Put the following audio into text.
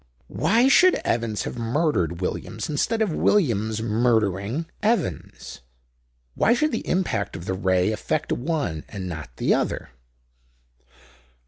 "Why should Evans have murdered Williams instead of Williams murdering Evans? Why should the impact of the Ray affect one and not the other?"